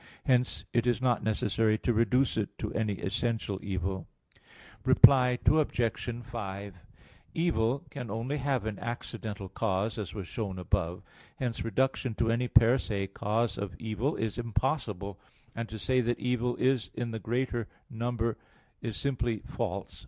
Hence it is not necessary to reduce it to any essential evil. Reply Obj. 5: Evil can only have an accidental cause, as was shown above (A. 1). Hence reduction to any 'per se' cause of evil is impossible. And to say that evil is in the greater number is simply false.